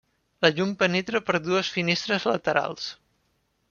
La llum penetra per dues finestres laterals.